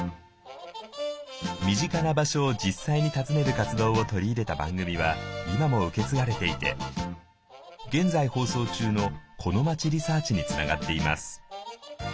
身近な場所を実際に訪ねる活動を取り入れた番組は今も受け継がれていて現在放送中の「コノマチ☆リサーチ」につながっています。